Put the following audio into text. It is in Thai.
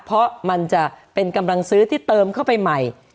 เพราะมันจะเป็นกำลังซื้อที่เติมเข้าไปใหม่